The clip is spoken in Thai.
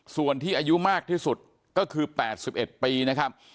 ส่วนที่อายุมากที่สุดก็คือแปดสิบเอ็ดปีนะครับ